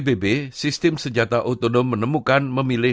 di bb sistem senjata otonom menemukan memilih